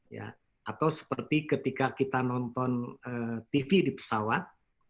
ya atau seperti ketika kita nonton tv di pesawat